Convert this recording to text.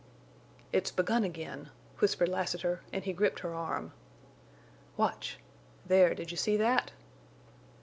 "It's begun again!" whispered Lassiter, and he gripped her arm. "Watch.... There, did you see that?"